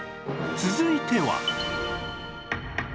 続いては